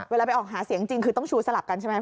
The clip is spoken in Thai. ไปออกหาเสียงจริงคือต้องชูสลับกันใช่ไหม